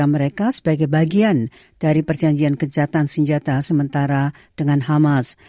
dan mereka sebagai bagian dari perjanjian kejahatan senjata sementara dengan hamas